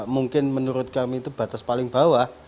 mungkin menurut kami itu batas paling bawah